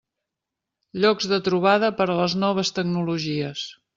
Llocs de trobada per a les noves tecnologies.